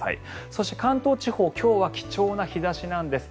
そして関東地方今日は貴重な日差しなんです。